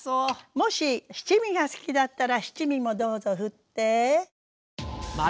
もし七味が好きだったら七味もどうぞ振って。